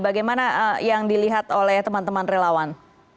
bagaimana yang dilihat oleh teman teman relawan